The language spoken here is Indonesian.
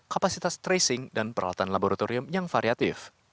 kapasitas tracing dan peralatan laboratorium yang variatif